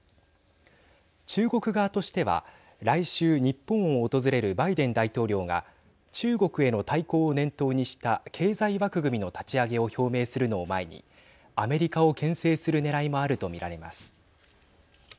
中国側としては来週日本を訪れるバイデン大統領が中国への対抗を念頭にした経済枠組みの立ち上げを表明するのを前にアメリカをけん制するねらいもあるとみられます。